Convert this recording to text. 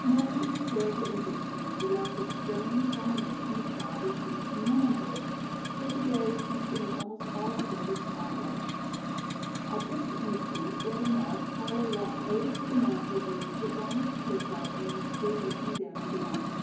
Never did it fail to interest him Bianca's strange combination of childishness and womanhood. But today she seemed almost altogether childlike. At this instant getting up Carlo walked over to the mantel where he put down his tea cup and then stood looking down on Bianca.